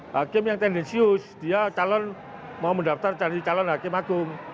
hakim yang tendensius dia calon mau mendaftar jadi calon hakim agung